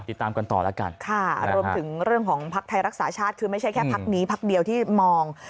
ติดตามกันต่อแล้วกันค่ะรวมถึงเรื่องของภักดิ์ไทยรักษาชาติคือไม่ใช่แค่พักนี้พักเดียวที่มอง